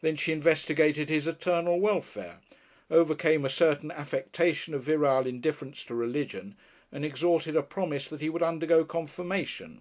Then she investigated his eternal welfare, overcame a certain affectation of virile indifference to religion, and extorted a promise that he would undergo "confirmation."